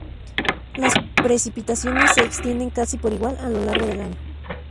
Las precipitaciones se extienden casi por igual a lo largo del año.